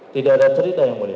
tidak ada cerita yang mulia